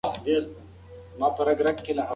که سینما وي نو کیسه نه پاتیږي.